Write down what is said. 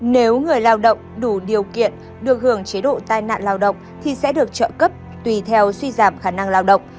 nếu người lao động đủ điều kiện được hưởng chế độ tai nạn lao động thì sẽ được trợ cấp tùy theo suy giảm khả năng lao động